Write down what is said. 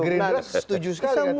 greengrass setuju sekali katanya